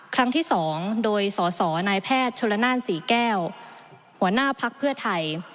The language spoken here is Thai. ครั้งที่สองโดยส่อส่อนายแพทย์โชลนานศรีแก้วหัวหน้าพรรคเพื่อไทย